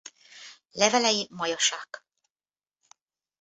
Levelei molyhosak.